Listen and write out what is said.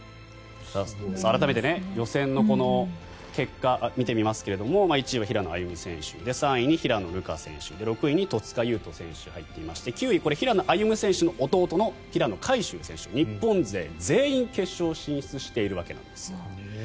改めて予選の結果を見てみますが１位は平野歩夢選手３位は平野流佳選手で６位に戸塚優斗選手が入っていまして９位に平野歩夢選手の弟の平野海祝選手、日本勢全員決勝進出しているわけです。